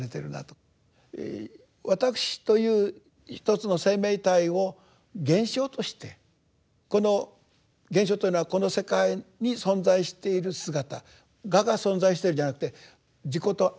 わたくしというひとつの生命体を「現象」としてこの現象というのはこの世界に存在している姿我が存在してるんじゃなくて自己と